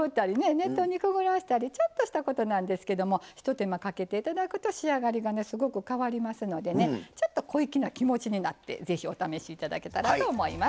熱湯にくぐらせたりちょっとしたことなんですけどもひと手間かけて頂くと仕上がりがすごく変わりますのでちょっと小粋な気持ちになって是非お試し頂けたらと思います。